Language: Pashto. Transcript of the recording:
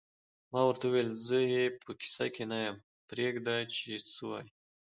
ما ورته وویل: زه یې په کیسه کې نه یم، پرېږده چې څه وایې.